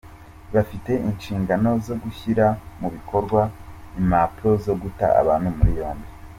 Bafite inshingano zo gushyira mu bikorwa impapuro zo guta abantu muri yombi.